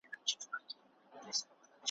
چي له لیري مي ږغ نه وي اورېدلی ,